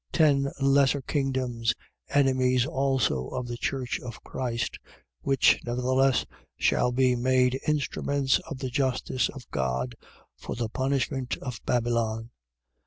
. .Ten lesser kingdoms, enemies also of the church of Christ: which, nevertheless, shall be made instruments of the justice of God for the punishment of Babylon.